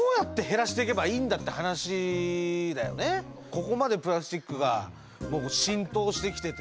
ここまでプラスチックが浸透してきてて。